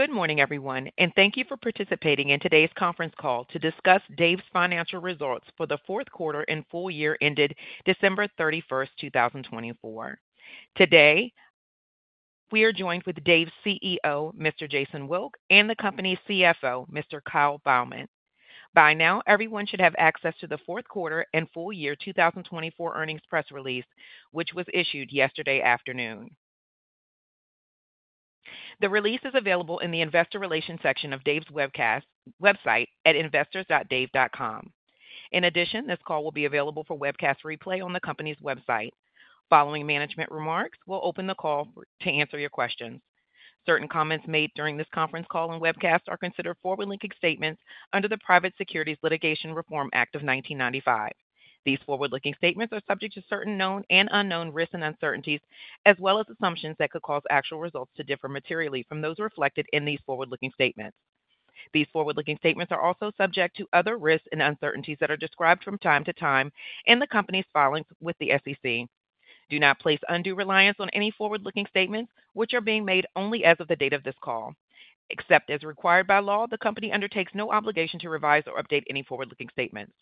Good morning, everyone, and thank you for participating in today's conference call to discuss Dave's financial results for the fourth quarter and full year ended December 31st, 2024. Today, we are joined with Dave's CEO, Mr. Jason Wilk, and the company's CFO, Mr. Kyle Beilman. By now, everyone should have access to the fourth quarter and full year 2024 earnings press release, which was issued yesterday afternoon. The release is available in the Investor Relations section of Dave's webcast website at investors.dave.com. In addition, this call will be available for webcast replay on the company's website. Following management remarks, we'll open the call to answer your questions. Certain comments made during this conference call and webcast are considered forward-looking statements under the Private Securities Litigation Reform Act of 1995. These forward-looking statements are subject to certain known and unknown risks and uncertainties, as well as assumptions that could cause actual results to differ materially from those reflected in these forward-looking statements. These forward-looking statements are also subject to other risks and uncertainties that are described from time to time in the company's filings with the SEC. Do not place undue reliance on any forward-looking statements, which are being made only as of the date of this call. Except as required by law, the company undertakes no obligation to revise or update any forward-looking statements.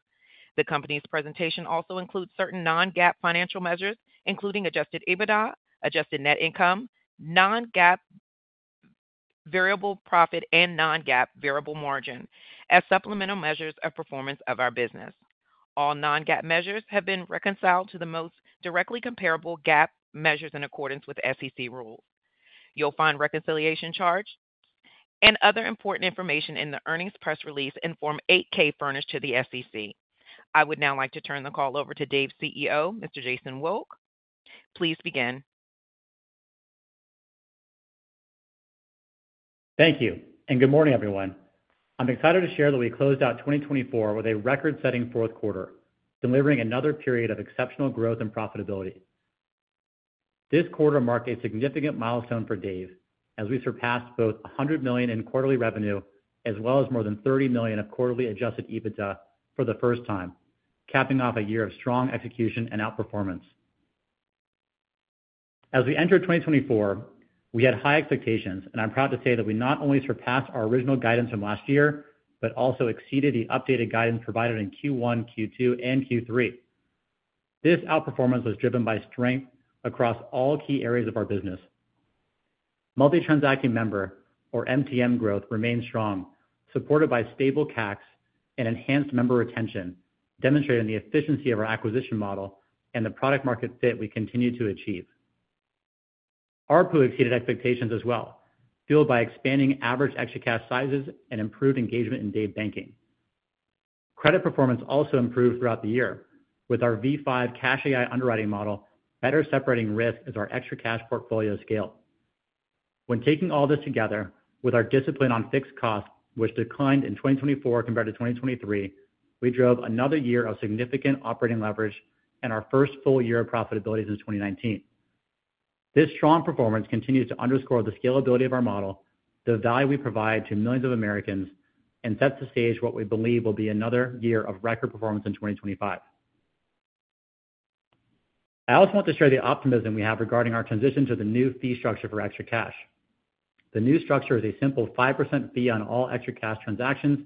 The company's presentation also includes certain non-GAAP financial measures, including adjusted EBITDA, adjusted net income, non-GAAP variable profit, and non-GAAP variable margin as supplemental measures of performance of our business. All non-GAAP measures have been reconciled to the most directly comparable GAAP measures in accordance with SEC rules. You'll find reconciliation charts and other important information in the earnings press release in Form 8-K furnished to the SEC. I would now like to turn the call over to Dave's CEO, Mr. Jason Wilk. Please begin. Thank you, and good morning, everyone. I'm excited to share that we closed out 2024 with a record-setting fourth quarter, delivering another period of exceptional growth and profitability. This quarter marked a significant milestone for Dave as we surpassed both $100 million in quarterly revenue as well as more than $30 million of quarterly Adjusted EBITDA for the first time, capping off a year of strong execution and outperformance. As we entered 2024, we had high expectations, and I'm proud to say that we not only surpassed our original guidance from last year but also exceeded the updated guidance provided in Q1, Q2, and Q3. This outperformance was driven by strength across all key areas of our business. Multi-Transaction Member, or MTM, growth remained strong, supported by stable CACs and enhanced member retention, demonstrating the efficiency of our acquisition model and the product-market fit we continue to achieve. RPU exceeded expectations as well, fueled by expanding average ExtraCash sizes and improved engagement in Dave Banking. Credit performance also improved throughout the year, with our V5 CashAI underwriting model better separating risk as our ExtraCash portfolio scaled. When taking all this together with our discipline on fixed costs, which declined in 2024 compared to 2023, we drove another year of significant operating leverage and our first full year of profitability since 2019. This strong performance continues to underscore the scalability of our model, the value we provide to millions of Americans, and sets the stage for what we believe will be another year of record performance in 2025. I also want to share the optimism we have regarding our transition to the new fee structure for ExtraCash. The new structure is a simple 5% fee on all ExtraCash transactions,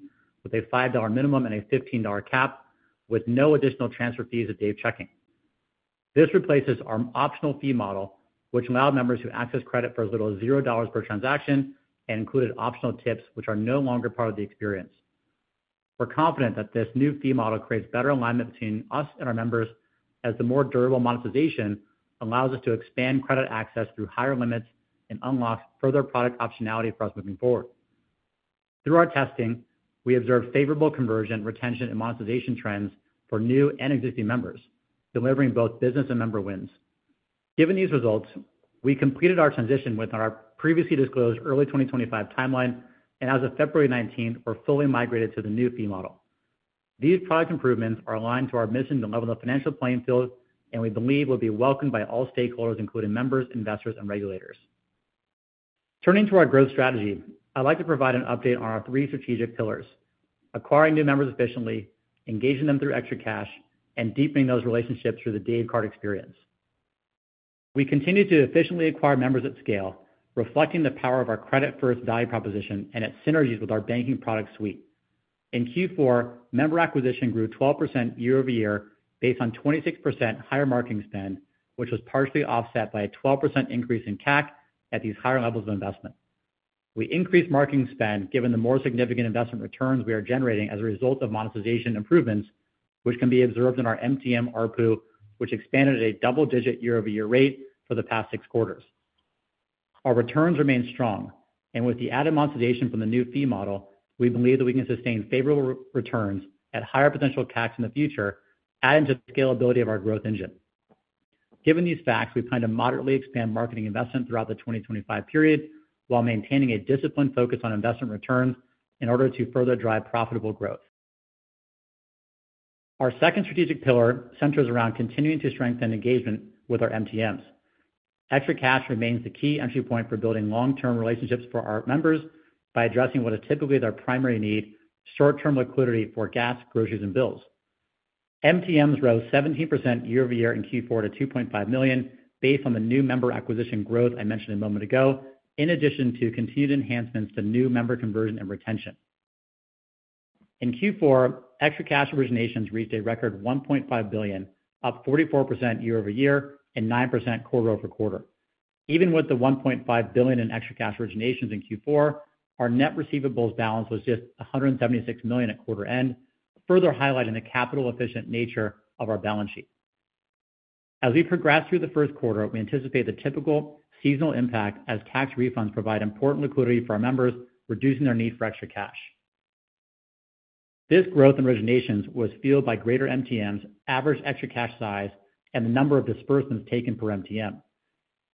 with a $5 minimum and a $15 cap, with no additional transfer fees at Dave Checking. This replaces our optional fee model, which allowed members to access credit for as little as $0 per transaction and included optional tips, which are no longer part of the experience. We're confident that this new fee model creates better alignment between us and our members as the more durable monetization allows us to expand credit access through higher limits and unlocks further product optionality for us moving forward. Through our testing, we observed favorable conversion, retention, and monetization trends for new and existing members, delivering both business and member wins. Given these results, we completed our transition within our previously disclosed early 2025 timeline, and as of February 19th, we're fully migrated to the new fee model. These product improvements are aligned to our mission to level the financial playing field, and we believe will be welcomed by all stakeholders, including members, investors, and regulators. Turning to our growth strategy, I'd like to provide an update on our three strategic pillars: acquiring new members efficiently, engaging them through ExtraCash, and deepening those relationships through the Dave Card experience. We continue to efficiently acquire members at scale, reflecting the power of our credit-first value proposition and its synergies with our banking product suite. In Q4, member acquisition grew 12% year over year based on 26% higher marketing spend, which was partially offset by a 12% increase in CAC at these higher levels of investment. We increased marketing spend given the more significant investment returns we are generating as a result of monetization improvements, which can be observed in our MTM RPU, which expanded at a double-digit year-over-year rate for the past six quarters. Our returns remain strong, and with the added monetization from the new fee model, we believe that we can sustain favorable returns at higher potential CACs in the future, adding to the scalability of our growth engine. Given these facts, we plan to moderately expand marketing investment throughout the 2025 period while maintaining a disciplined focus on investment returns in order to further drive profitable growth. Our second strategic pillar centers around continuing to strengthen engagement with our MTMs. ExtraCash remains the key entry point for building long-term relationships for our members by addressing what is typically their primary need: short-term liquidity for gas, groceries, and bills. MTMs rose 17% year over year in Q4 to $2.5 million based on the new member acquisition growth I mentioned a moment ago, in addition to continued enhancements to new member conversion and retention. In Q4, ExtraCash originations reached a record $1.5 billion, up 44% year over year and 9% quarter over quarter. Even with the $1.5 billion in ExtraCash originations in Q4, our net receivables balance was just $176 million at quarter end, further highlighting the capital-efficient nature of our balance sheet. As we progress through the first quarter, we anticipate the typical seasonal impact as cash refunds provide important liquidity for our members, reducing their need for ExtraCash. This growth in originations was fueled by greater MTMs, average ExtraCash size, and the number of disbursements taken per MTM.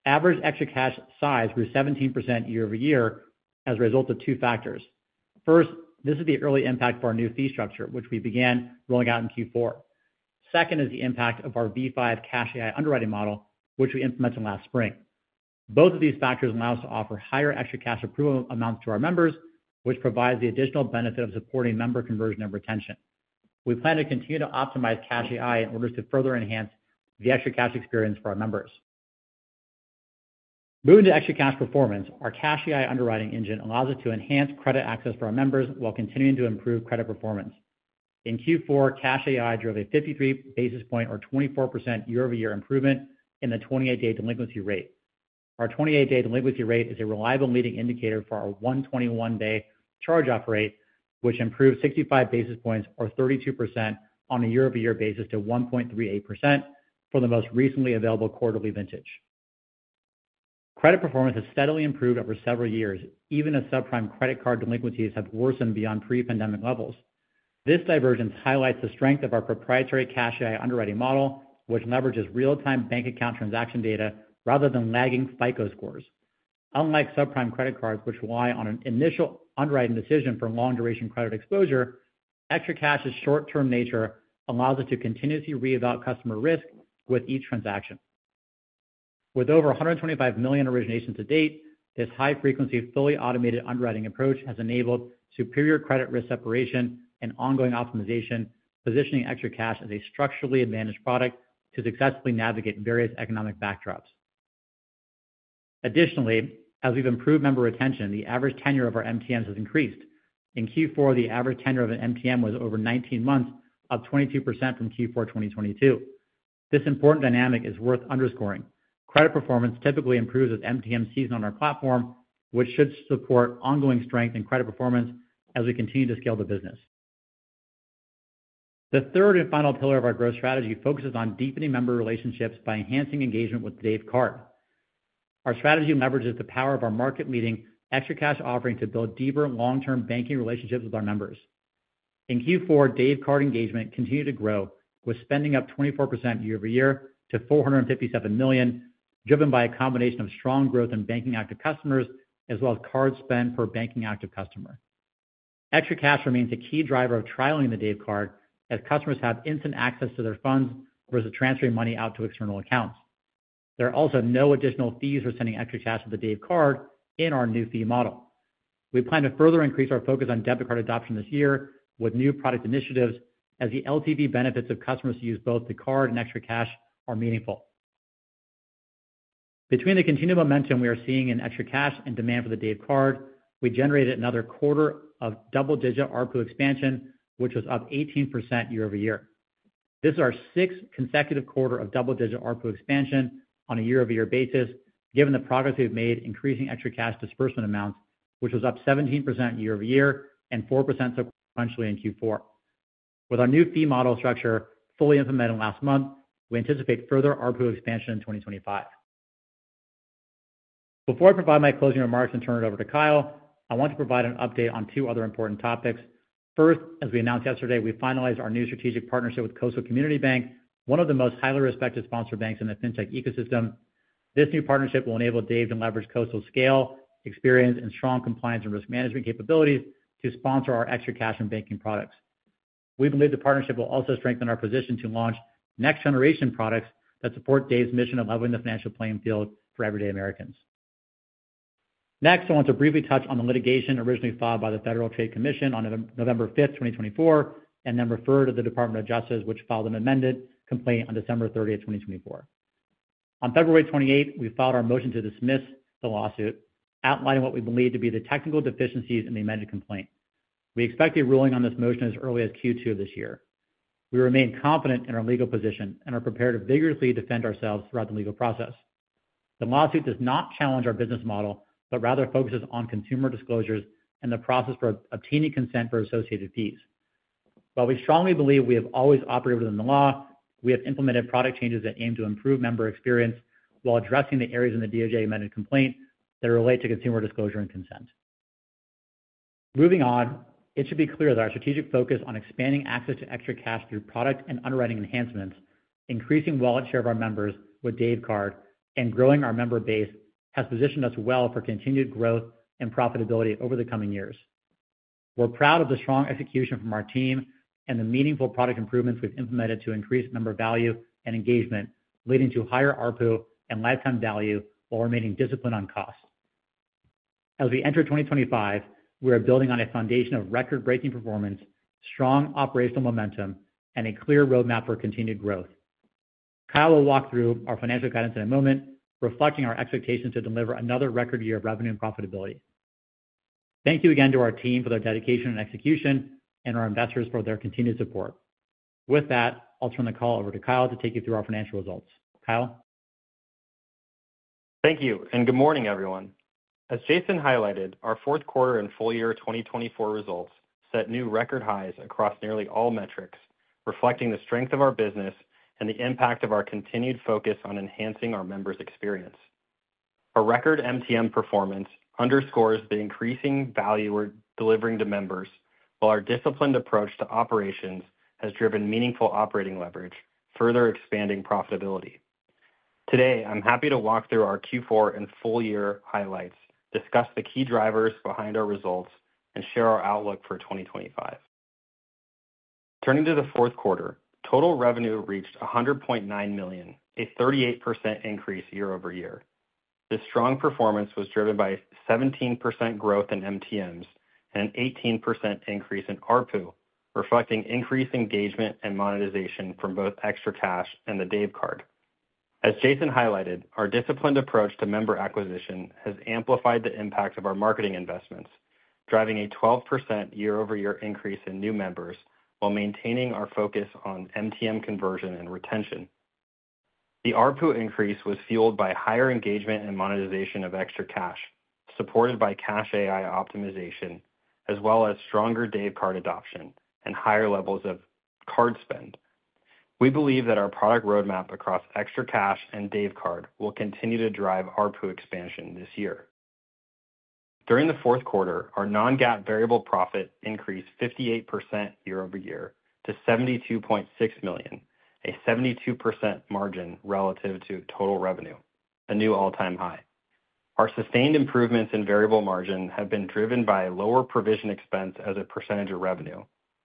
Average ExtraCash size grew 17% year over year as a result of two factors. First, this is the early impact for our new fee structure, which we began rolling out in Q4. Second is the impact of our V5 CashAI underwriting model, which we implemented last spring. Both of these factors allow us to offer higher ExtraCash approval amounts to our members, which provides the additional benefit of supporting member conversion and retention. We plan to continue to optimize CashAI in order to further enhance the ExtraCash experience for our members. Moving to ExtraCash performance, our CashAI underwriting engine allows us to enhance credit access for our members while continuing to improve credit performance. In Q4, CashAI drove a 53 basis point, or 24% year-over-year improvement in the 28-day delinquency rate. Our 28-day delinquency rate is a reliable leading indicator for our 121-day charge-off rate, which improved 65 basis points, or 32% on a year-over-year basis to 1.38% for the most recently available quarterly vintage. Credit performance has steadily improved over several years, even as subprime credit card delinquencies have worsened beyond pre-pandemic levels. This divergence highlights the strength of our proprietary CashAI underwriting model, which leverages real-time bank account transaction data rather than lagging FICO scores. Unlike subprime credit cards, which rely on an initial underwriting decision for long-duration credit exposure, ExtraCash's short-term nature allows us to continuously re-evaluate customer risk with each transaction. With over 125 million originations to date, this high-frequency fully automated underwriting approach has enabled superior credit risk separation and ongoing optimization, positioning ExtraCash as a structurally advantaged product to successfully navigate various economic backdrops. Additionally, as we've improved member retention, the average tenure of our MTMs has increased. In Q4, the average tenure of an MTM was over 19 months, up 22% from Q4 2022. This important dynamic is worth underscoring. Credit performance typically improves as MTMs season on our platform, which should support ongoing strength in credit performance as we continue to scale the business. The third and final pillar of our growth strategy focuses on deepening member relationships by enhancing engagement with Dave Card. Our strategy leverages the power of our market-leading ExtraCash offering to build deeper long-term banking relationships with our members. In Q4, Dave Card engagement continued to grow, with spending up 24% year over year to $457 million, driven by a combination of strong growth in banking active customers as well as card spend per banking active customer. ExtraCash remains a key driver of trialing the Dave Card as customers have instant access to their funds versus transferring money out to external accounts. There are also no additional fees for sending ExtraCash to the Dave Card in our new fee model. We plan to further increase our focus on debit card adoption this year with new product initiatives as the LTV benefits of customers who use both the card and ExtraCash are meaningful. Between the continued momentum we are seeing in ExtraCash and demand for the Dave Card, we generated another quarter of double-digit RPU expansion, which was up 18% year over year. This is our sixth consecutive quarter of double-digit RPU expansion on a year-over-year basis, given the progress we've made increasing ExtraCash disbursement amounts, which was up 17% year over year and 4% sequentially in Q4. With our new fee model structure fully implemented last month, we anticipate further RPU expansion in 2025. Before I provide my closing remarks and turn it over to Kyle, I want to provide an update on two other important topics. First, as we announced yesterday, we finalized our new strategic partnership with Coastal Community Bank, one of the most highly respected sponsor banks in the fintech ecosystem. This new partnership will enable Dave to leverage Coastal's scale, experience, and strong compliance and risk management capabilities to sponsor our ExtraCash and banking products. We believe the partnership will also strengthen our position to launch next-generation products that support Dave's mission of leveling the financial playing field for everyday Americans. Next, I want to briefly touch on the litigation originally filed by the Federal Trade Commission on November 5th, 2024, and then refer to the Department of Justice, which filed an amended complaint on December 30th, 2024. On February 28th, we filed our motion to dismiss the lawsuit, outlining what we believe to be the technical deficiencies in the amended complaint. We expect a ruling on this motion as early as Q2 of this year. We remain confident in our legal position and are prepared to vigorously defend ourselves throughout the legal process. The lawsuit does not challenge our business model but rather focuses on consumer disclosures and the process for obtaining consent for associated fees. While we strongly believe we have always operated within the law, we have implemented product changes that aim to improve member experience while addressing the areas in the DOJ amended complaint that relate to consumer disclosure and consent. Moving on, it should be clear that our strategic focus on expanding access to ExtraCash through product and underwriting enhancements, increasing wallet share of our members with Dave Card, and growing our member base has positioned us well for continued growth and profitability over the coming years. We're proud of the strong execution from our team and the meaningful product improvements we've implemented to increase member value and engagement, leading to higher RPU and lifetime value while remaining disciplined on cost. As we enter 2025, we are building on a foundation of record-breaking performance, strong operational momentum, and a clear roadmap for continued growth. Kyle will walk through our financial guidance in a moment, reflecting our expectations to deliver another record year of revenue and profitability. Thank you again to our team for their dedication and execution and our investors for their continued support. With that, I'll turn the call over to Kyle to take you through our financial results. Kyle. Thank you, and good morning, everyone. As Jason highlighted, our fourth quarter and full year 2024 results set new record highs across nearly all metrics, reflecting the strength of our business and the impact of our continued focus on enhancing our members' experience. Our record MTM performance underscores the increasing value we're delivering to members, while our disciplined approach to operations has driven meaningful operating leverage, further expanding profitability. Today, I'm happy to walk through our Q4 and full year highlights, discuss the key drivers behind our results, and share our outlook for 2025. Turning to the fourth quarter, total revenue reached $100.9 million, a 38% increase year over year. This strong performance was driven by 17% growth in MTMs and an 18% increase in RPU, reflecting increased engagement and monetization from both ExtraCash and the Dave Card. As Jason highlighted, our disciplined approach to member acquisition has amplified the impact of our marketing investments, driving a 12% year-over-year increase in new members while maintaining our focus on MTM conversion and retention. The RPU increase was fueled by higher engagement and monetization of ExtraCash, supported by CashAI optimization, as well as stronger Dave Card adoption and higher levels of card spend. We believe that our product roadmap across ExtraCash and Dave Card will continue to drive RPU expansion this year. During the fourth quarter, our non-GAAP variable profit increased 58% year over year to $72.6 million, a 72% margin relative to total revenue, a new all-time high. Our sustained improvements in variable margin have been driven by lower provision expense as a percentage of revenue,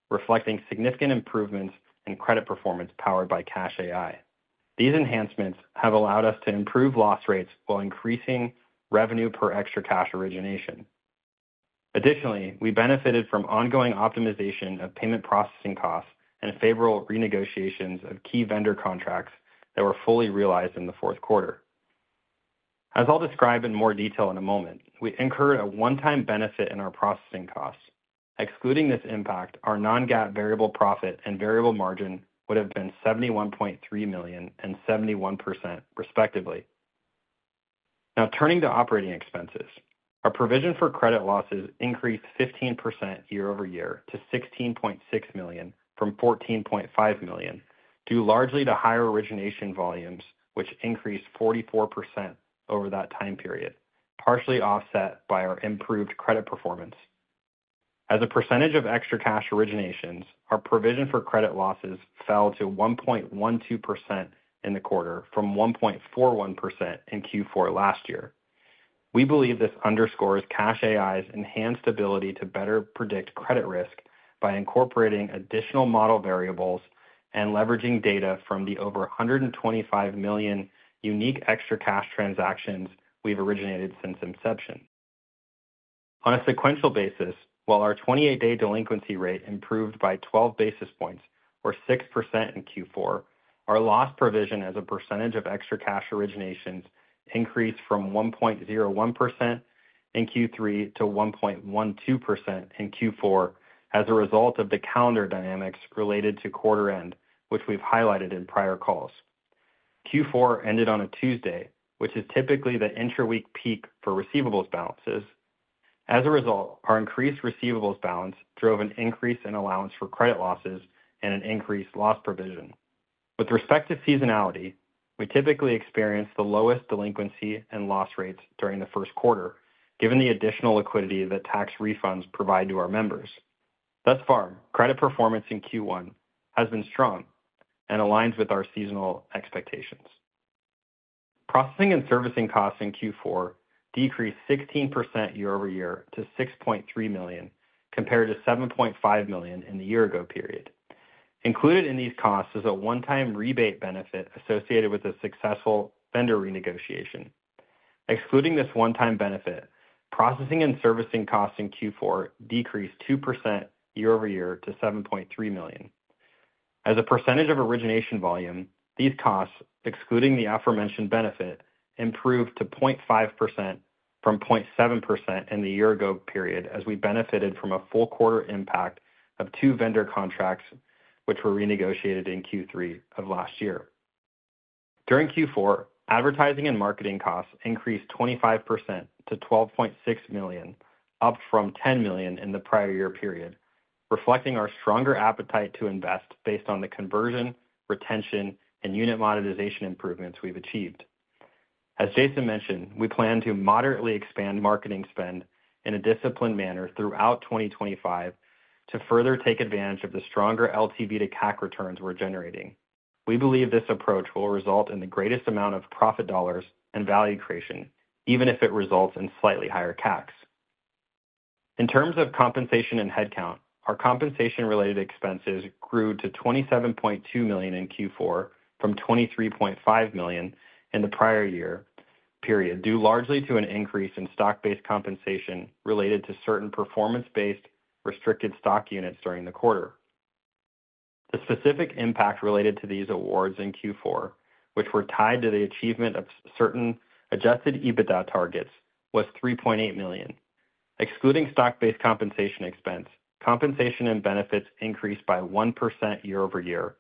reflecting significant improvements in credit performance powered by CashAI. These enhancements have allowed us to improve loss rates while increasing revenue per ExtraCash origination. Additionally, we benefited from ongoing optimization of payment processing costs and favorable renegotiations of key vendor contracts that were fully realized in the fourth quarter. As I'll describe in more detail in a moment, we incurred a one-time benefit in our processing costs. Excluding this impact, our non-GAAP variable profit and variable margin would have been $71.3 million and 71%, respectively. Now, turning to operating expenses, our provision for credit losses increased 15% year over year to $16.6 million from $14.5 million, due largely to higher origination volumes, which increased 44% over that time period, partially offset by our improved credit performance. As a percentage of ExtraCash originations, our provision for credit losses fell to 1.12% in the quarter from 1.41% in Q4 last year. We believe this underscores CashAI's enhanced ability to better predict credit risk by incorporating additional model variables and leveraging data from the over 125 million unique ExtraCash transactions we've originated since inception. On a sequential basis, while our 28-day delinquency rate improved by 12 basis points or 6% in Q4, our loss provision as a percentage of ExtraCash originations increased from 1.01% in Q3 to 1.12% in Q4 as a result of the calendar dynamics related to quarter end, which we've highlighted in prior calls. Q4 ended on a Tuesday, which is typically the intra-week peak for receivables balances. As a result, our increased receivables balance drove an increase in allowance for credit losses and an increased loss provision. With respect to seasonality, we typically experience the lowest delinquency and loss rates during the first quarter, given the additional liquidity that tax refunds provide to our members. Thus far, credit performance in Q1 has been strong and aligns with our seasonal expectations. Processing and servicing costs in Q4 decreased 16% year over year to $6.3 million, compared to $7.5 million in the year-ago period. Included in these costs is a one-time rebate benefit associated with a successful vendor renegotiation. Excluding this one-time benefit, processing and servicing costs in Q4 decreased 2% year over year to $7.3 million. As a percentage of origination volume, these costs, excluding the aforementioned benefit, improved to 0.5% from 0.7% in the year-ago period as we benefited from a full quarter impact of two vendor contracts which were renegotiated in Q3 of last year. During Q4, advertising and marketing costs increased 25% to $12.6 million, up from $10 million in the prior year period, reflecting our stronger appetite to invest based on the conversion, retention, and unit monetization improvements we've achieved. As Jason mentioned, we plan to moderately expand marketing spend in a disciplined manner throughout 2025 to further take advantage of the stronger LTV to CAC returns we're generating. We believe this approach will result in the greatest amount of profit dollars and value creation, even if it results in slightly higher CACs. In terms of compensation and headcount, our compensation-related expenses grew to $27.2 million in Q4 from $23.5 million in the prior year period, due largely to an increase in stock-based compensation related to certain performance-based restricted stock units during the quarter. The specific impact related to these awards in Q4, which were tied to the achievement of certain adjusted EBITDA targets, was $3.8 million. Excluding stock-based compensation expense, compensation and benefits increased by 1% year over year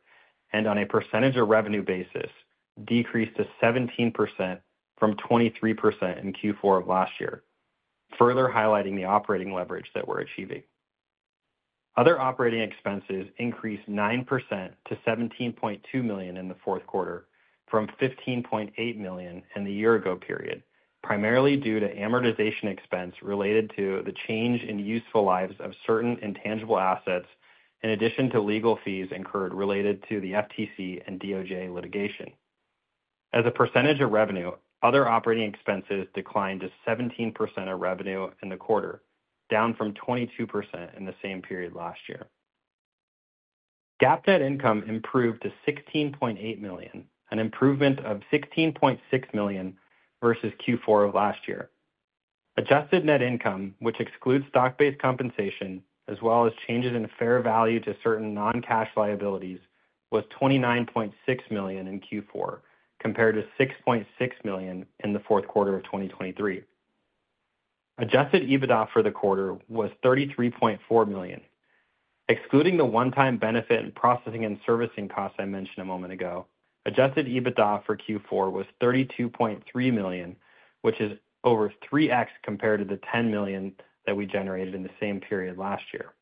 and, on a percentage of revenue basis, decreased to 17% from 23% in Q4 of last year, further highlighting the operating leverage that we're achieving. Other operating expenses increased 9% to $17.2 million in the fourth quarter from $15.8 million in the year-ago period, primarily due to amortization expense related to the change in useful lives of certain intangible assets, in addition to legal fees incurred related to the FTC and DOJ litigation. As a percentage of revenue, other operating expenses declined to 17% of revenue in the quarter, down from 22% in the same period last year. GAAP net income improved to $16.8 million, an improvement of $16.6 million versus Q4 of last year. Adjusted Net Income, which excludes stock-based compensation as well as changes in fair value to certain non-cash liabilities, was $29.6 million in Q4, compared to $6.6 million in the fourth quarter of 2023. Adjusted EBITDA for the quarter was $33.4 million. Excluding the one-time benefit and processing and servicing costs I mentioned a moment ago, adjusted EBITDA for Q4 was $32.3 million, which is over 3X compared to the $10 million that we generated in the same period last year.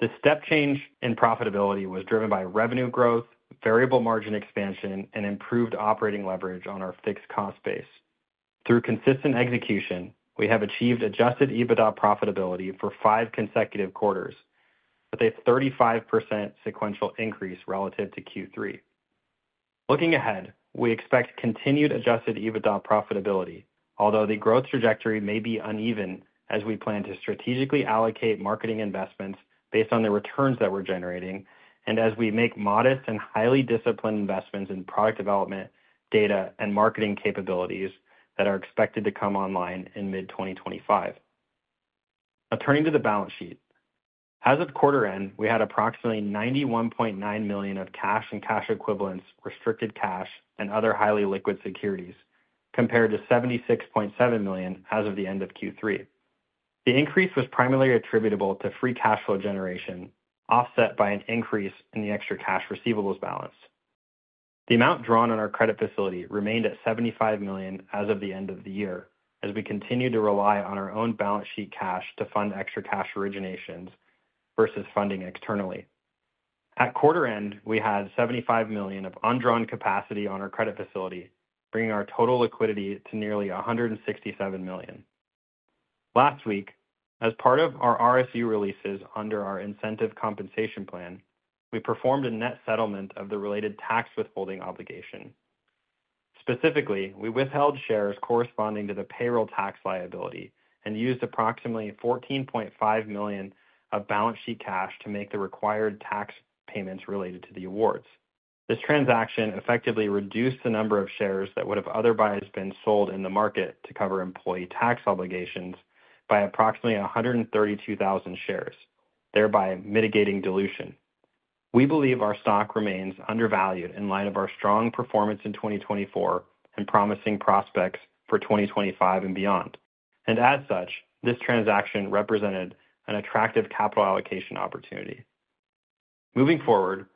The step change in profitability was driven by revenue growth, variable margin expansion, and improved operating leverage on our fixed cost base. Through consistent execution, we have achieved adjusted EBITDA profitability for five consecutive quarters, with a 35% sequential increase relative to Q3. Looking ahead, we expect continued Adjusted EBITDA profitability, although the growth trajectory may be uneven as we plan to strategically allocate marketing investments based on the returns that we're generating and as we make modest and highly disciplined investments in product development, data, and marketing capabilities that are expected to come online in mid-2025. Now, turning to the balance sheet, as of quarter end, we had approximately $91.9 million of cash and cash equivalents, restricted cash, and other highly liquid securities, compared to $76.7 million as of the end of Q3. The increase was primarily attributable to free cash flow generation, offset by an increase in the ExtraCash receivables balance. The amount drawn on our credit facility remained at $75 million as of the end of the year, as we continue to rely on our own balance sheet cash to fund ExtraCash originations versus funding externally. At quarter end, we had $75 million of undrawn capacity on our credit facility, bringing our total liquidity to nearly $167 million. Last week, as part of our RSU releases under our incentive compensation plan, we performed a net settlement of the related tax withholding obligation. Specifically, we withheld shares corresponding to the payroll tax liability and used approximately $14.5 million of balance sheet cash to make the required tax payments related to the awards. This transaction effectively reduced the number of shares that would have otherwise been sold in the market to cover employee tax obligations by approximately 132,000 shares, thereby mitigating dilution. We believe our stock remains undervalued in light of our strong performance in 2024 and promising prospects for 2025 and beyond, and as such, this transaction represented an attractive capital allocation opportunity. Moving forward,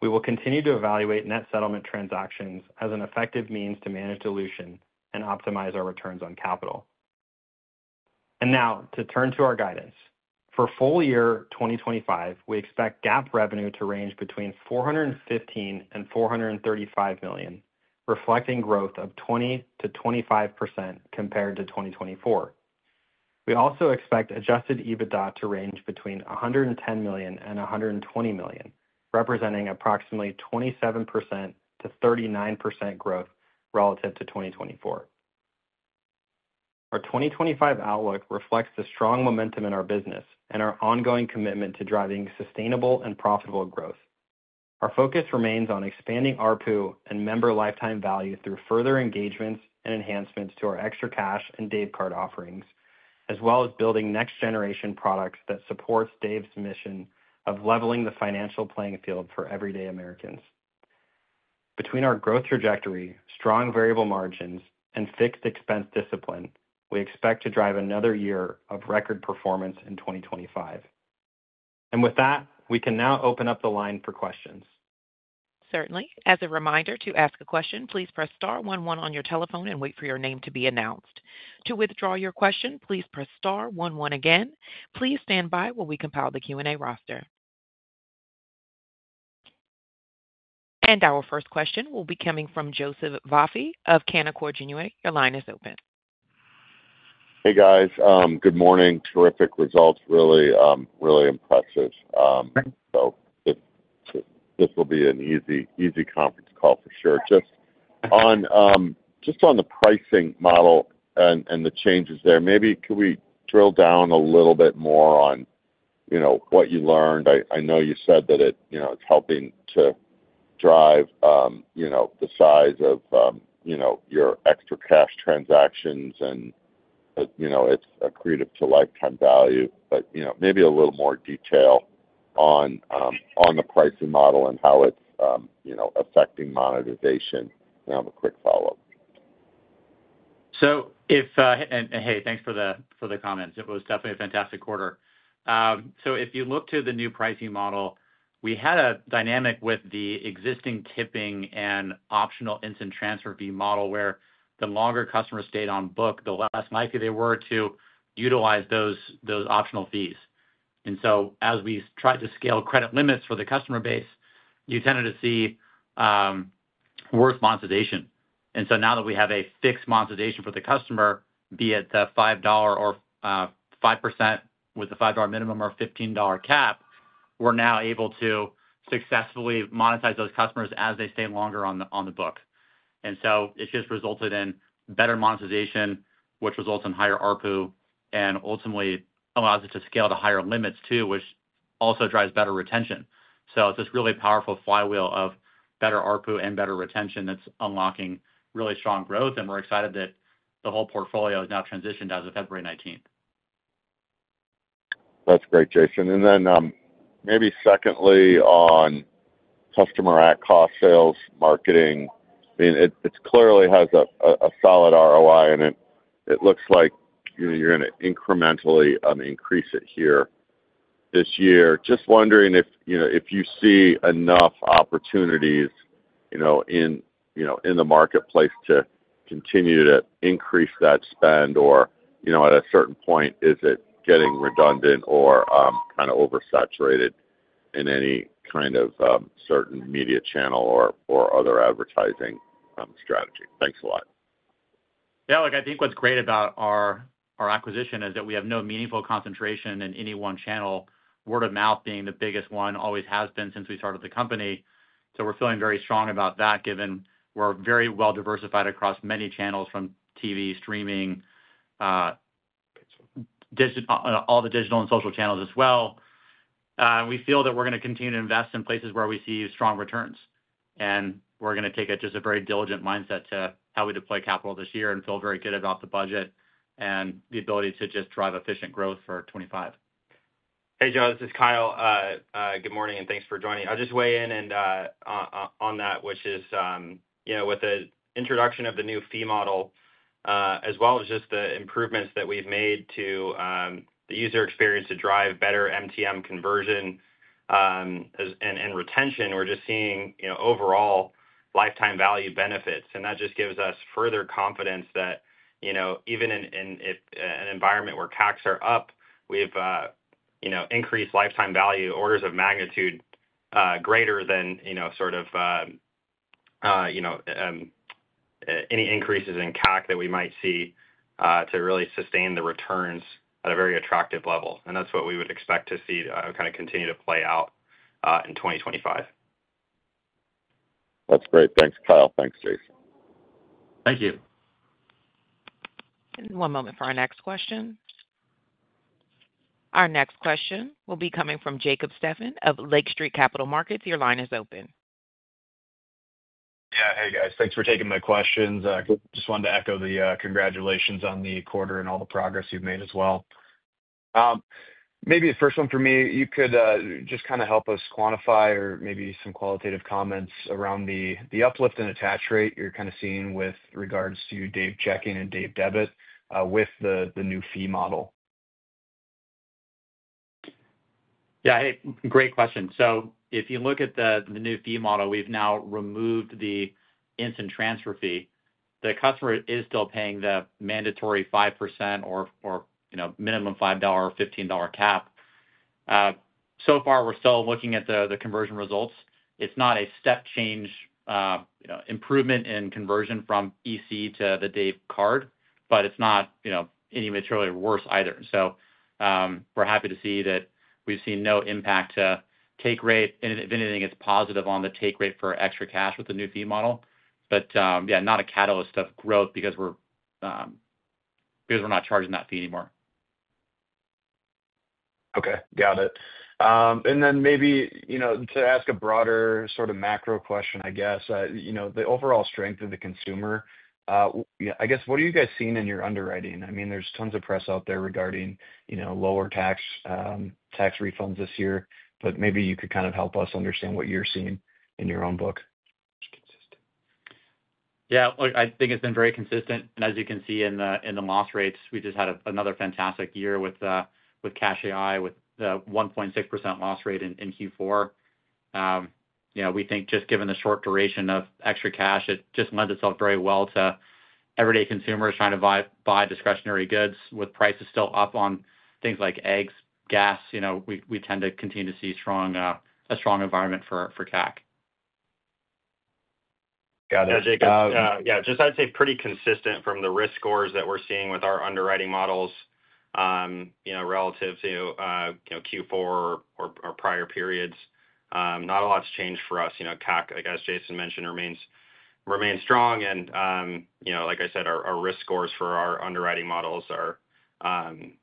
we will continue to evaluate net settlement transactions as an effective means to manage dilution and optimize our returns on capital. And now, to turn to our guidance. For full year 2025, we expect GAAP revenue to range between $415-$435 million, reflecting growth of 20%-25% compared to 2024. We also expect adjusted EBITDA to range between $110-$120 million, representing approximately 27%-39% growth relative to 2024. Our 2025 outlook reflects the strong momentum in our business and our ongoing commitment to driving sustainable and profitable growth. Our focus remains on expanding RPU and member lifetime value through further engagements and enhancements to our ExtraCash and Dave Card offerings, as well as building next-generation products that support Dave's mission of leveling the financial playing field for everyday Americans. Between our growth trajectory, strong variable margins, and fixed expense discipline, we expect to drive another year of record performance in 2025. And with that, we can now open up the line for questions. Certainly. As a reminder to ask a question, please press star 11 on your telephone and wait for your name to be announced. To withdraw your question, please press star 11 again. Please stand by while we compile the Q&A roster. And our first question will be coming from Joseph Vafi of Canaccord Genuity. Your line is open. Hey, guys. Good morning. Terrific results, really, really impressive. So this will be an easy conference call for sure. Just on the pricing model and the changes there, maybe could we drill down a little bit more on what you learned? I know you said that it's helping to drive the size of your ExtraCash transactions and it's accretive to lifetime value. But maybe a little more detail on the pricing model and how it's affecting monetization. And I have a quick follow-up. So, and hey, thanks for the comments. It was definitely a fantastic quarter. So if you look to the new pricing model, we had a dynamic with the existing tipping and optional instant transfer fee model where the longer customers stayed on book, the less likely they were to utilize those optional fees. And so as we tried to scale credit limits for the customer base, you tended to see worse monetization. And so now that we have a fixed monetization for the customer, be it the $5 or 5% with a $5 minimum or $15 cap, we're now able to successfully monetize those customers as they stay longer on the book. And so it just resulted in better monetization, which results in higher RPU and ultimately allows it to scale to higher limits too, which also drives better retention. So it's this really powerful flywheel of better RPU and better retention that's unlocking really strong growth. And we're excited that the whole portfolio has now transitioned as of February 19th. That's great, Jason. And then maybe secondly on customer acquisition cost, sales, marketing, I mean, it clearly has a solid ROI, and it looks like you're going to incrementally increase it here this year. Just wondering if you see enough opportunities in the marketplace to continue to increase that spend, or at a certain point, is it getting redundant or kind of oversaturated in any kind of certain media channel or other advertising strategy? Thanks a lot. Yeah, look, I think what's great about our acquisition is that we have no meaningful concentration in any one channel. Word of mouth being the biggest one always has been since we started the company. So we're feeling very strong about that, given we're very well diversified across many channels from TV, streaming, all the digital and social channels as well. We feel that we're going to continue to invest in places where we see strong returns. We're going to take just a very diligent mindset to how we deploy capital this year and feel very good about the budget and the ability to just drive efficient growth for 2025. Hey, Joe, this is Kyle. Good morning and thanks for joining. I'll just weigh in on that, which is with the introduction of the new fee model, as well as just the improvements that we've made to the user experience to drive better MTM conversion and retention. We're just seeing overall lifetime value benefits. And that just gives us further confidence that even in an environment where CACs are up, we've increased lifetime value orders of magnitude greater than sort of any increases in CAC that we might see to really sustain the returns at a very attractive level. And that's what we would expect to see kind of continue to play out in 2025. That's great. Thanks, Kyle. Thanks, Jason. Thank you. And one moment for our next question. Our next question will be coming from Jacob Stephan of Lake Street Capital Markets. Your line is open. Yeah, hey, guys. Thanks for taking my questions. Just wanted to echo the congratulations on the quarter and all the progress you've made as well. Maybe the first one for me, you could just kind of help us quantify or maybe some qualitative comments around the uplift and attach rate you're kind of seeing with regards to Dave checking and Dave debit with the new fee model. Yeah, hey, great question. So if you look at the new fee model, we've now removed the instant transfer fee. The customer is still paying the mandatory 5% or minimum $5 or $15 cap. So far, we're still looking at the conversion results. It's not a step change improvement in conversion from EC to the Dave Card, but it's not any materially worse either. So we're happy to see that we've seen no impact to take rate. And if anything, it's positive on the take rate for ExtraCash with the new fee model. But yeah, not a catalyst of growth because we're not charging that fee anymore. Okay. Got it. And then maybe to ask a broader sort of macro question, I guess, the overall strength of the consumer, I guess, what are you guys seeing in your underwriting? I mean, there's tons of press out there regarding lower tax refunds this year, but maybe you could kind of help us understand what you're seeing in your own book. Yeah, look, I think it's been very consistent. And as you can see in the loss rates, we just had another fantastic year with CashAI with the 1.6% loss rate in Q4. We think just given the short duration of ExtraCash, it just lends itself very well to everyday consumers trying to buy discretionary goods with prices still up on things like eggs, gas. We tend to continue to see a strong environment for CAC. Got it. Yeah, Jacob. Yeah, just I'd say pretty consistent from the risk scores that we're seeing with our underwriting models relative to Q4 or prior periods. Not a lot's changed for us. CAC, as Jason mentioned, remains strong. And like I said, our risk scores for our underwriting models are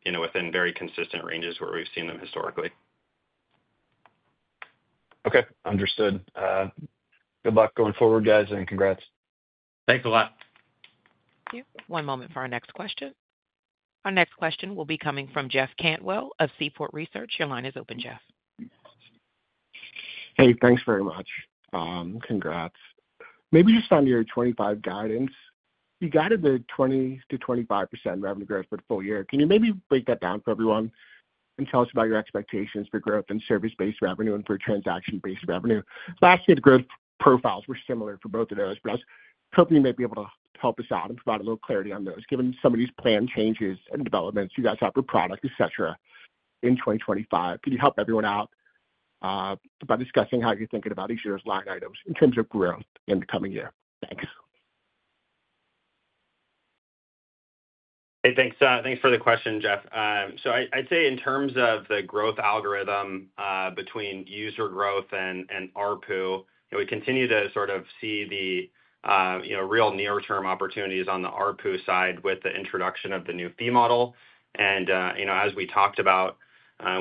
within very consistent ranges where we've seen them historically. Okay. Understood. Good luck going forward, guys, and congrats. Thanks a lot. Thank you. One moment for our next question. Our next question will be coming from Jeff Cantwell of Seaport Research. Your line is open, Jeff. Hey, thanks very much. Congrats. Maybe just on your '25 guidance, you guided the 20%-25% revenue growth for the full year. Can you maybe break that down for everyone and tell us about your expectations for growth in service-based revenue and for transaction-based revenue? Last year, the growth profiles were similar for both of those, but I was hoping you might be able to help us out and provide a little clarity on those. Given some of these planned changes and developments you guys have for product, etc., in 2025, could you help everyone out by discussing how you're thinking about each of those line items in terms of growth in the coming year? Thanks. Hey, thanks. Thanks for the question, Jeff. So I'd say in terms of the growth algorithm between user growth and RPU, we continue to sort of see the real near-term opportunities on the RPU side with the introduction of the new fee model. And as we talked about,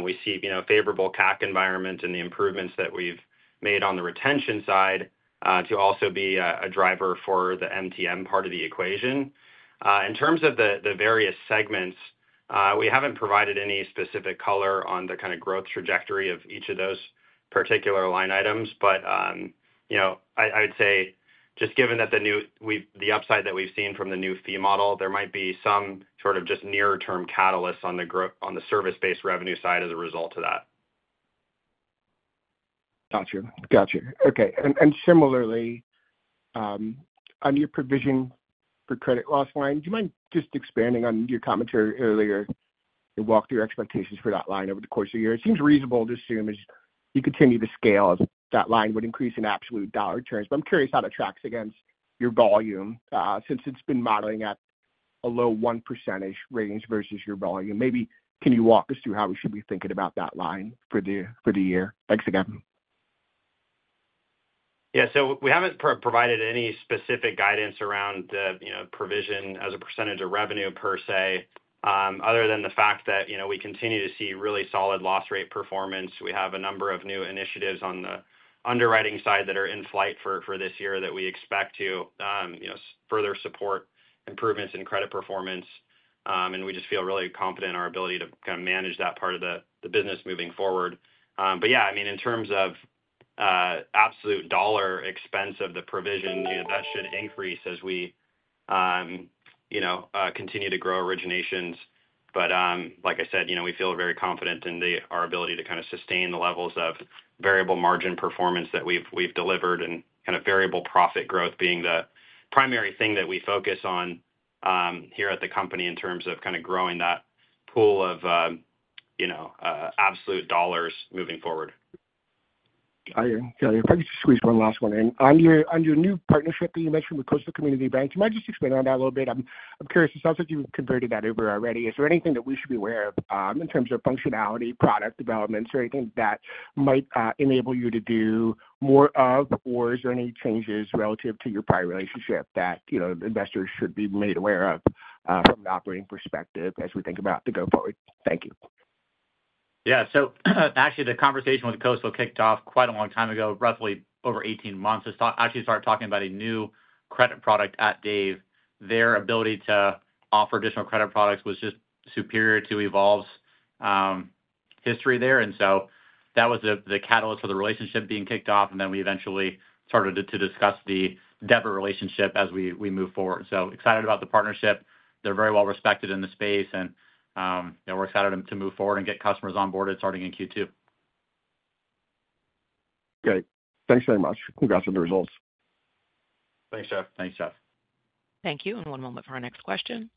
we see a favorable CAC environment and the improvements that we've made on the retention side to also be a driver for the MTM part of the equation. In terms of the various segments, we haven't provided any specific color on the kind of growth trajectory of each of those particular line items. But I would say just given that the upside that we've seen from the new fee model, there might be some sort of just near-term catalysts on the service-based revenue side as a result of that. Gotcha. Gotcha. Okay. And similarly, on your provision for credit loss line, do you mind just expanding on your commentary earlier and walk through expectations for that line over the course of the year? It seems reasonable to assume as you continue to scale, that line would increase in absolute dollar terms. But I'm curious how it tracks against your volume since it's been modeling at a low 1%-ish range versus your volume. Maybe can you walk us through how we should be thinking about that line for the year? Thanks again. Yeah. So we haven't provided any specific guidance around provision as a percentage of revenue per se, other than the fact that we continue to see really solid loss rate performance. We have a number of new initiatives on the underwriting side that are in flight for this year that we expect to further support improvements in credit performance. We just feel really confident in our ability to kind of manage that part of the business moving forward. Yeah, I mean, in terms of absolute dollar expense of the provision, that should increase as we continue to grow originations. But like I said, we feel very confident in our ability to kind of sustain the levels of variable margin performance that we've delivered and kind of variable profit growth being the primary thing that we focus on here at the company in terms of kind of growing that pool of absolute dollars moving forward. Gotcha. Gotcha. If I could just squeeze one last one in. On your new partnership that you mentioned with Coastal Community Bank, do you mind just explaining on that a little bit? I'm curious. It sounds like you've converted that over already. Is there anything that we should be aware of in terms of functionality, product developments, or anything that might enable you to do more of, or is there any changes relative to your prior relationship that investors should be made aware of from an operating perspective as we think about to go forward? Thank you. Yeah. So actually, the conversation with Coastal kicked off quite a long time ago, roughly over 18 months. I actually started talking about a new credit product at Dave. Their ability to offer additional credit products was just superior to Evolve's history there. And so that was the catalyst for the relationship being kicked off. And then we eventually started to discuss the broader relationship as we move forward. So excited about the partnership. They're very well respected in the space. We're excited to move forward and get customers on board it starting in Q2. Okay. Thanks very much. Congrats on the results. Thanks, Jeff. Thanks, Jeff. Thank you. One moment for our next question.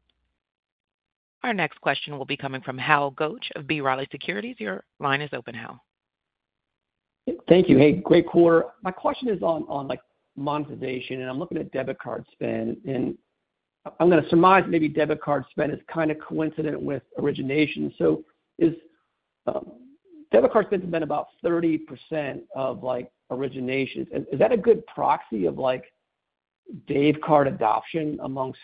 Our next question will be coming from Hal Goetsch of B. Riley Securities. Your line is open, Hal. Thank you. Hey, great quarter. My question is on monetization, and I'm looking at debit card spend. I'm going to surmise maybe debit card spend is kind of coincident with origination. So debit card spend has been about 30% of originations. Is that a good proxy of Dave Card adoption amongst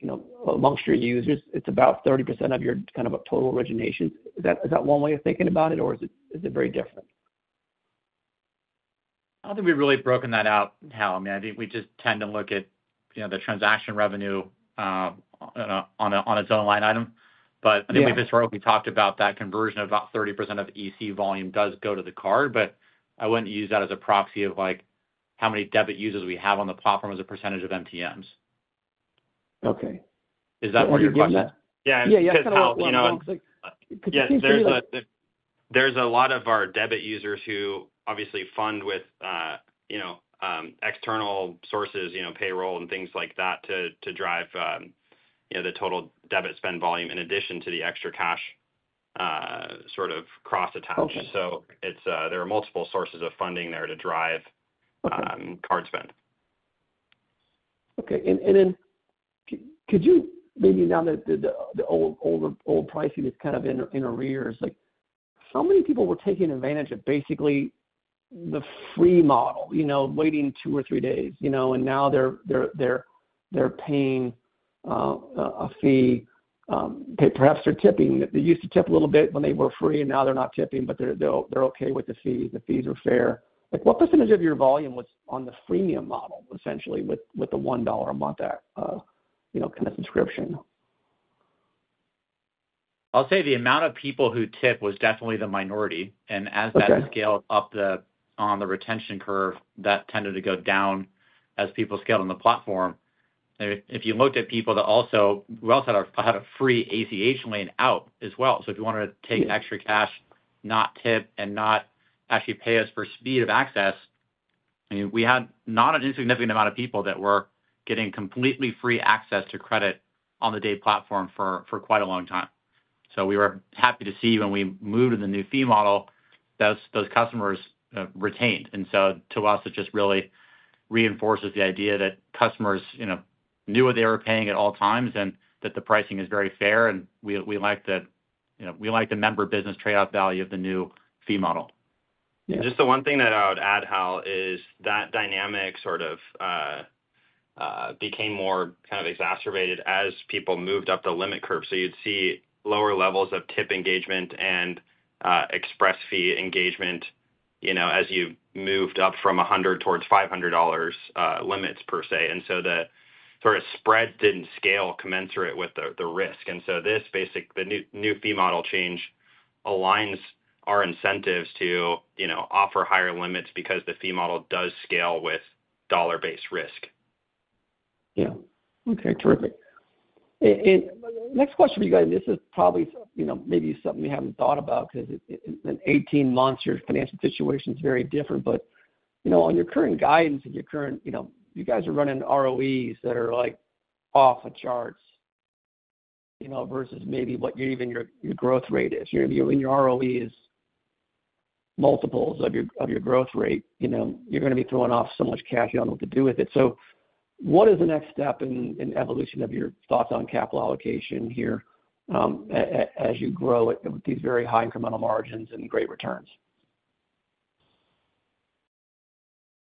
your users? It's about 30% of your kind of total originations. Is that one way of thinking about it, or is it very different? I don't think we've really broken that out, Hal. I mean, I think we just tend to look at the transaction revenue on its own line item. But I think we've historically talked about that conversion of about 30% of EC volume does go to the card, but I wouldn't use that as a proxy of how many debit users we have on the platform as a percentage of MTMs. Okay. Is that what you're talking about? Yeah. Yeah, yeah. So that's a lot of what it looks like. Yeah. There's a lot of our debit users who obviously fund with external sources, payroll and things like that to drive the total debit spend volume in addition to the ExtraCash sort of cross-attached. So there are multiple sources of funding there to drive card spend. Okay. Then could you maybe now that the old pricing is kind of in arrears, how many people were taking advantage of basically the free model, waiting two or three days, and now they're paying a fee? Perhaps they're tipping. They used to tip a little bit when they were free, and now they're not tipping, but they're okay with the fees. The fees are fair. What percentage of your volume was on the freemium model, essentially, with the $1 a month kind of subscription? I'll say the amount of people who tip was definitely the minority, and as that scaled up on the retention curve, that tended to go down as people scaled on the platform. If you looked at people that also had a free ACH lane out as well. So if you wanted to take ExtraCash, not tip, and not actually pay us for speed of access, I mean, we had not an insignificant amount of people that were getting completely free access to credit on the Dave platform for quite a long time. So we were happy to see when we moved to the new fee model, those customers retained. And so to us, it just really reinforces the idea that customers knew what they were paying at all times and that the pricing is very fair. And we like the member business trade-off value of the new fee model. Yeah. Just the one thing that I would add, Hal, is that dynamic sort of became more kind of exacerbated as people moved up the limit curve. So you'd see lower levels of tip engagement and express fee engagement as you moved up from $100 towards $500 limits per se. And so the sort of spread didn't scale commensurate with the risk. And so the new fee model change aligns our incentives to offer higher limits because the fee model does scale with dollar-based risk. Yeah. Okay. Terrific. And next question for you guys, this is probably maybe something you haven't thought about because in 18 months, your financial situation is very different. But on your current guidance and your current, you guys are running ROEs that are off the charts versus maybe what even your growth rate is. You're going to be in your ROEs, multiples of your growth rate. You're going to be throwing off so much cash, you don't know what to do with it. So what is the next step in evolution of your thoughts on capital allocation here as you grow with these very high incremental margins and great returns?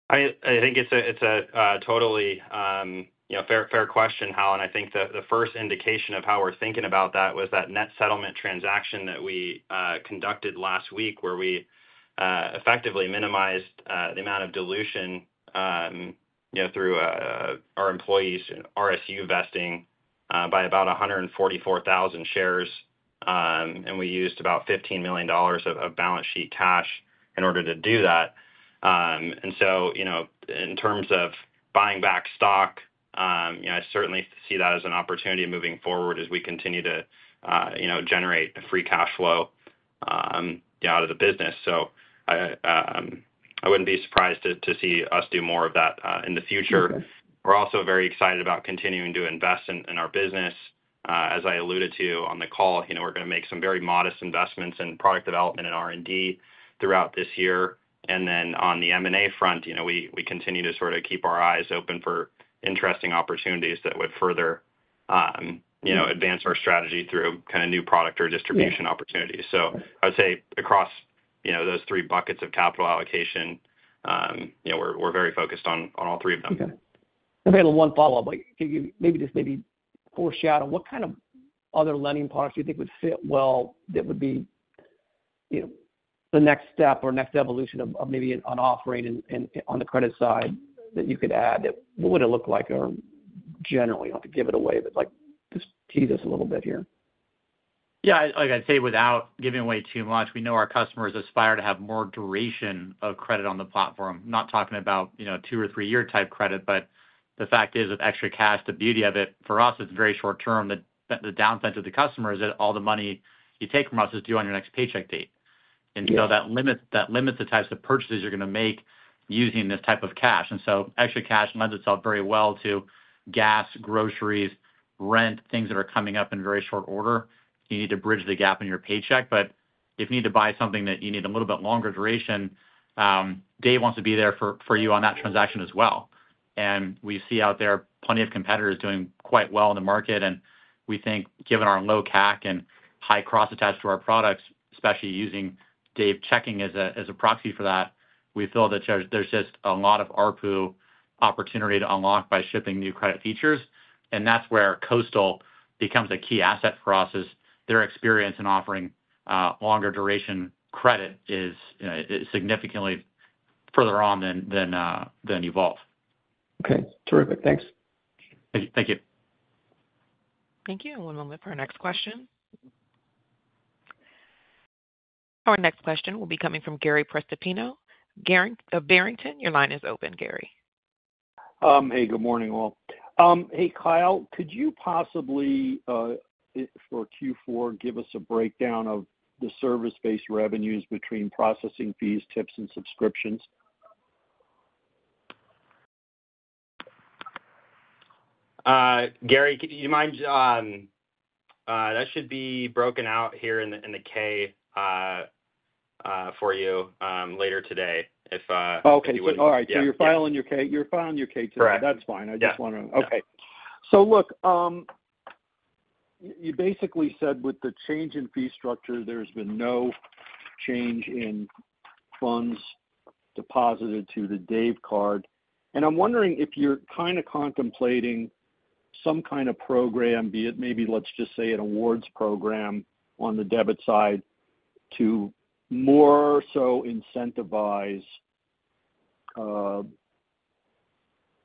I think it's a totally fair question, Hal. And I think the first indication of how we're thinking about that was that net settlement transaction that we conducted last week where we effectively minimized the amount of dilution through our employees' RSU vesting by about 144,000 shares. And we used about $15 million of balance sheet cash in order to do that. And so in terms of buying back stock, I certainly see that as an opportunity moving forward as we continue to generate free cash flow out of the business. So I wouldn't be surprised to see us do more of that in the future. We're also very excited about continuing to invest in our business. As I alluded to on the call, we're going to make some very modest investments in product development and R&D throughout this year. And then on the M&A front, we continue to sort of keep our eyes open for interesting opportunities that would further advance our strategy through kind of new product or distribution opportunities. So I would say across those three buckets of capital allocation, we're very focused on all three of them. Okay. One follow-up. Maybe just maybe foreshadow, what kind of other lending products do you think would fit well that would be the next step or next evolution of maybe an offering on the credit side that you could add? What would it look like generally? Don't have to give it away, but just tease us a little bit here. Yeah. Like I'd say, without giving away too much, we know our customers aspire to have more duration of credit on the platform. I'm not talking about a two or three-year type credit, but the fact is with ExtraCash, the beauty of it, for us, it's very short-term. The downside to the customer is that all the money you take from us is due on your next paycheck date, and so that limits the types of purchases you're going to make using this type of cash, and so ExtraCash lends itself very well to gas, groceries, rent, things that are coming up in very short order. You need to bridge the gap in your paycheck, but if you need to buy something that you need a little bit longer duration, Dave wants to be there for you on that transaction as well. And we see out there plenty of competitors doing quite well in the market. And we think, given our low CAC and high cross-attached to our products, especially using Dave Checking as a proxy for that, we feel that there's just a lot of RPU opportunity to unlock by shipping new credit features. And that's where Coastal becomes a key asset for us as their experience in offering longer duration credit is significantly further on than Evolve. Okay. Terrific. Thanks. Thank you. Thank you. And one moment for our next question. Our next question will be coming from Gary Prestopino. Gary of Barrington, your line is open, Gary. Hey, good morning, Will. Hey, Kyle, could you possibly, for Q4, give us a breakdown of the service-based revenues between processing fees, tips, and subscriptions? Gary, do you mind? That should be broken out here in the K for you later today, if you wouldn't mind. Oh, okay. All right, so you're filing your K. You're filing your K today. That's fine. I just want to. Okay, so look, you basically said with the change in fee structure, there's been no change in funds deposited to the Dave Card. And I'm wondering if you're kind of contemplating some kind of program, maybe let's just say an awards program on the debit side to more so incentivize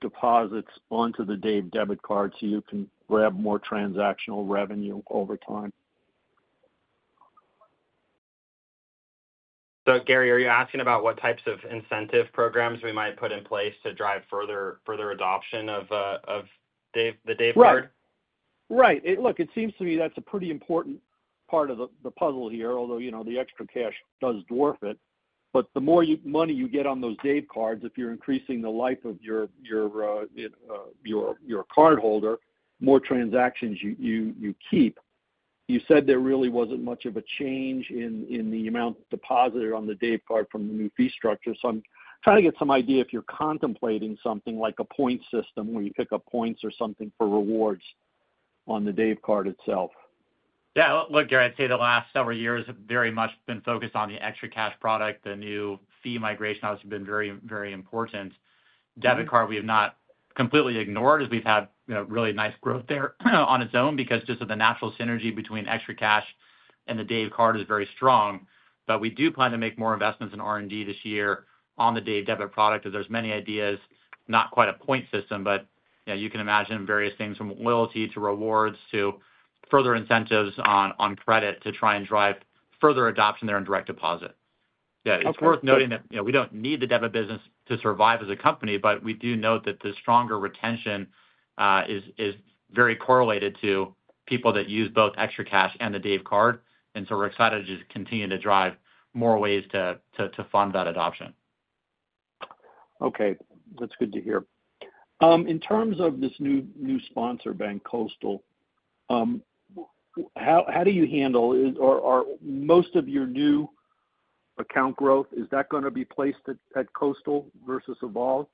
deposits onto the Dave debit card so you can grab more transactional revenue over time. Gary, are you asking about what types of incentive programs we might put in place to drive further adoption of the Dave Card? Right. Right. Look, it seems to me that's a pretty important part of the puzzle here, although the ExtraCash does dwarf it. But the more money you get on those Dave Card, if you're increasing the life of your cardholder, the more transactions you keep. You said there really wasn't much of a change in the amount deposited on the Dave Card from the new fee structure. So I'm trying to get some idea if you're contemplating something like a points system where you pick up points or something for rewards on the Dave Card itself? Yeah. Look, Gary, I'd say the last several years have very much been focused on the ExtraCash product. The new fee migration has been very, very important. Debit card, we have not completely ignored as we've had really nice growth there on its own because just of the natural synergy between ExtraCash and the Dave Card is very strong. But we do plan to make more investments in R&D this year on the Dave debit product as there's many ideas, not quite a point system, but you can imagine various things from loyalty to rewards to further incentives on credit to try and drive further adoption there in direct deposit. Yeah. It's worth noting that we don't need the debit business to survive as a company, but we do note that the stronger retention is very correlated to people that use both ExtraCash and the Dave Card. And so we're excited to just continue to drive more ways to fund that adoption. Okay. That's good to hear. In terms of this new sponsor bank, Coastal, how do you handle most of your new account growth? Is that going to be placed at Coastal versus Evolve?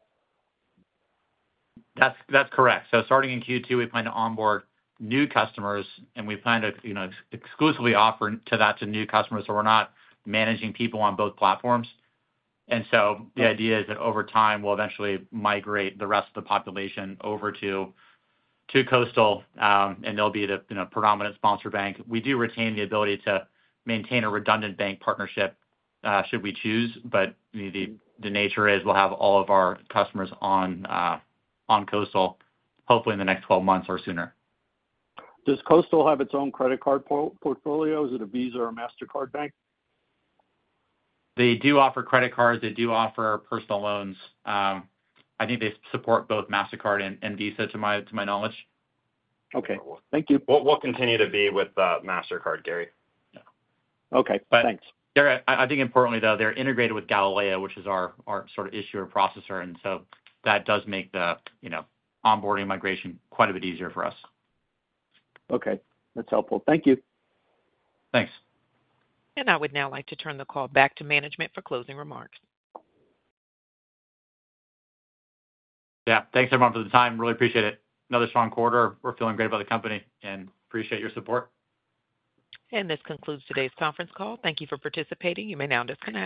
That's correct. So, starting in Q2, we plan to onboard new customers, and we plan to exclusively offer to that to new customers. So, we're not managing people on both platforms. And so the idea is that over time, we'll eventually migrate the rest of the population over to Coastal, and they'll be the predominant sponsor bank. We do retain the ability to maintain a redundant bank partnership should we choose, but the nature is we'll have all of our customers on Coastal, hopefully in the next 12 months or sooner. Does Coastal have its own credit card portfolio? Is it a Visa or a Mastercard bank? They do offer credit cards. They do offer personal loans. I think they support both Mastercard and Visa to my knowledge. Okay. Thank you. We'll continue to be with Mastercard, Gary. Okay. Thanks. Gary, I think importantly, though, they're integrated with Galileo, which is our sort of issuer processor. And so that does make the onboarding migration quite a bit easier for us. Okay. That's helpful. Thank you. Thanks. And I would now like to turn the call back to management for closing remarks. Yeah. Thanks, everyone, for the time. Really appreciate it. Another strong quarter. We're feeling great about the company and appreciate your support. And this concludes today's conference call. Thank you for participating. You may now disconnect.